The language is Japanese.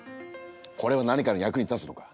これは何かの役に立つのか？